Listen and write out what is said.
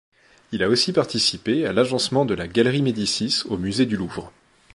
Il a aussi participé à l’agencement de la Galerie Médicis au musée du Louvre.